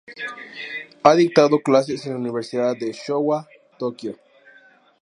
Ha dictado clases en la Universidad de Showa, Tokio.